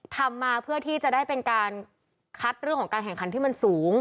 ทำมาเพื่อที่จะได้เป็นการคัดเรื่องของการแข่งขันที่มันสูง